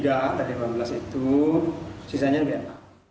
ada wd tiga dari kembang itu sisanya bma